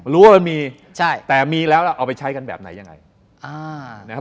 รู้ว่ามันมีแต่มีแล้วเอาไปใช้กันแบบไหนยังไง